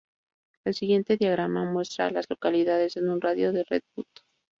El siguiente diagrama muestra a las localidades en un radio de de Red Butte.